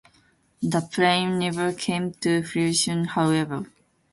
The plan never came to fruition, however.